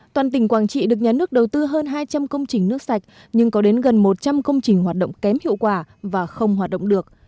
toàn tỉnh quảng trị được nhà nước đầu tư hơn hai trăm linh công trình nước sạch nhưng có đến gần một trăm linh công trình hoạt động kém hiệu quả và không hoạt động được